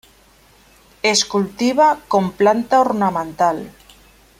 Es cultiva com planta ornamental.